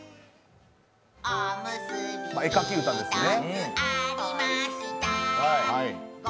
絵描き歌ですね。